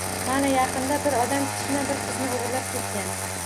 Mana yaqinda bir odam kichkina bir qizni oʻgʻirlab ketgan